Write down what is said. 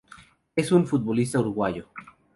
Es un futbolista Uruguayo.